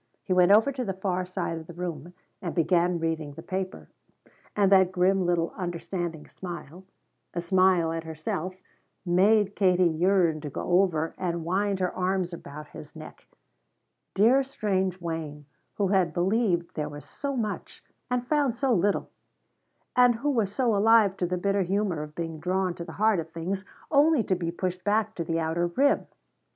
He went over to the far side of the room and began reading the paper, and that grim little understanding smile a smile at himself made Katie yearn to go over and wind her arms about his neck dear strange Wayne who had believed there was so much, and found so little, and who was so alive to the bitter humor of being drawn to the heart of things only to be pushed back to the outer rim.